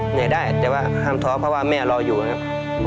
เหนื่อยได้แต่ว่าห้ามท้อเพราะว่าแม่รออยู่นะครับ